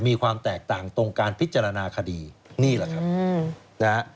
มีความแตกต่างตรงการพิจารณาคดีนี่แหละครับนะฮะ